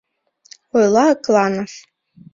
— Ойла Акланов.